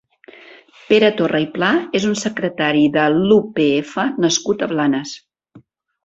Pere Torra i Pla és un secretari de l'UPF nascut a Blanes.